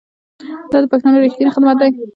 دا د پښتو ریښتینی خدمت دی.